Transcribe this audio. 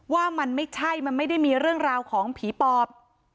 ว่ามันไม่ใช่มันไม่ได้มีเรื่องราวของผีปอบ